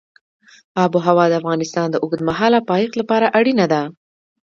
آب وهوا د افغانستان د اوږدمهاله پایښت لپاره اړینه ده.